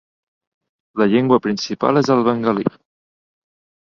La llengua principal és el bengalí.